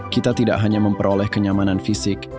kita tidak hanya memperoleh kenyamanan fisik